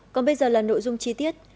còn bây giờ là nội dung chi tiết